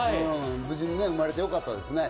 無事に生まれてよかったですね。